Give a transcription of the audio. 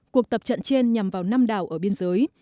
cuộc tập trận trên nhằm vào năm đảo ở biên giới